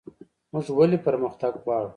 موږ ولې پرمختګ غواړو؟